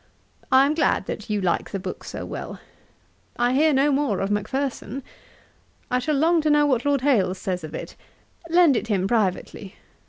I am glad that you like the book so well. I hear no more of Macpherson. I shall long to know what Lord Hailes says of it. Lend it him privately.